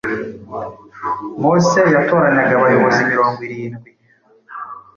Mose yatoranyaga abayobozi mirongo irindwi